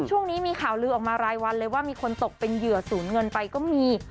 ช่วงนี้มีข่าวลือออกมารายวันเลยว่ามีคนตกเป็นเหยื่อศูนย์เงินไปก็มี